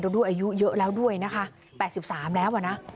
เราดูอายุเยอะแล้วด้วยนะคะ๘๓แล้วนะ